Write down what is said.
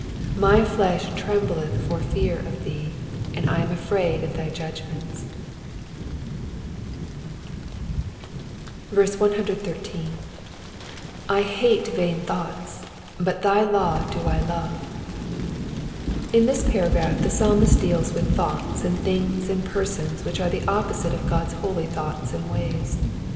120 My flesh trembleth for fear of thee ; and I am afraid of thy judgments. 113. / haU tain thoughts: but thy law do Ilove.^^ In this paragraph the Psalmist deals with thoughts and things and persons which are the opposite of God's holy thoughts and ways.